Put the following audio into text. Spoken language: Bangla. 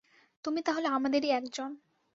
তুমি তাহলে আমাদেরই একজন।